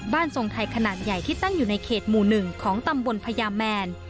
ทรงไทยขนาดใหญ่ที่ตั้งอยู่ในเขตหมู่๑ของตำบลพญาแมน